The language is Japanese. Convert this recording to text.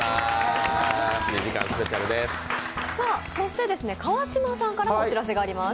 そして川島さんからもお知らせがあります。